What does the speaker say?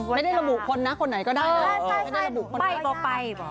ไม่ได้ระบุคนนะคนไหนก็ได้